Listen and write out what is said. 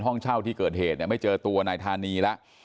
ห้องเช่าที่เกิดเหตุเนี่ยไม่เจอตัวนายธานีแล้ว